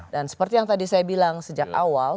dan seperti yang tadi saya bilang sejak awal